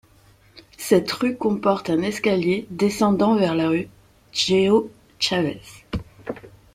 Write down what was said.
Cette rue comporte un escalier descendant vers la rue Géo-Chavez.